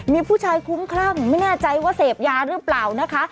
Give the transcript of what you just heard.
มีผู้ชายคุ้มคลั่งไม่แน่ใจว่าเสพยาหรือเปล่านะคะ